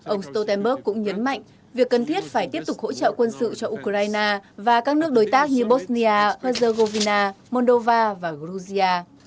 ông stoltenberg cũng nhấn mạnh việc cần thiết phải tiếp tục hỗ trợ quân sự cho ukraine và các nước đối tác như bosnia herzegovina moldova và georgia